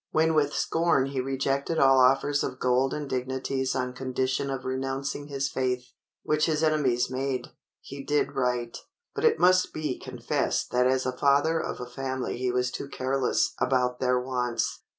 When with scorn he rejected all offers of gold and dignities on condition of renouncing his faith, which his enemies made, he did right; but it must be confessed that as a father of a family he was too careless about their wants.